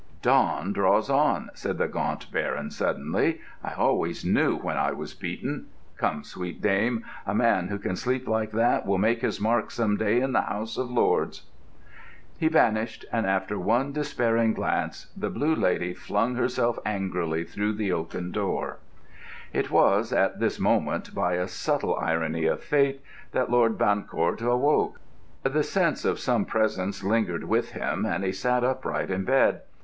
"Dawn draws on," said the Gaunt Baron suddenly. "I always knew when I was beaten. Come, sweet dame. A man who can sleep like that will make his mark some day in the House of Lords." He vanished, and, after one despairing glance, the Blue Lady flung herself angrily through the oaken door. It was at this moment, by a subtle irony of fate, that Lord Bancourt awoke. The sense of some presence lingered with him, and he sat upright in bed.